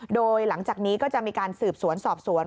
โดยหลังจากนี้ก็จะมีการสืบสวนสอบสวน